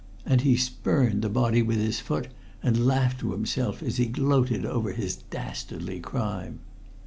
And he spurned the body with his foot and laughed to himself as he gloated over his dastardly crime.